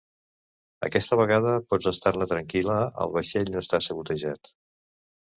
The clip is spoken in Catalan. Aquesta vegada, pots estar-ne tranquil·la, el vaixell no està sabotejat.